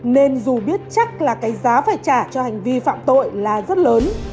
nên dù biết chắc là cái giá phải trả cho hành vi phạm tội là rất lớn